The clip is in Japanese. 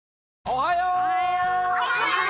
おはよう！